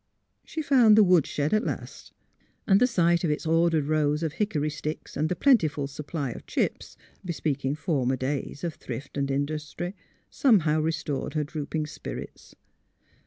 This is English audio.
... She found the wood shed at last, and the sight of its ordered rows of hickory sticks and the plentiful supply of " chips," bespeaking former days of thrift and industry, somehow restored her drooping spirits.